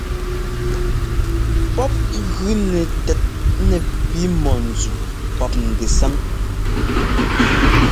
Pɔ́p gʉnɛ tɛt nɛ pi mɔ̂nzu pɔ́p ŋgɛsáŋ.